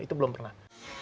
itu belum pernah